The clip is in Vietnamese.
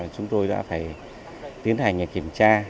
chúng tôi đã phải tiến hành kiểm tra